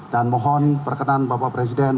dan mohon perkenan bapak presiden